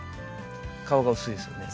皮が薄いですよね。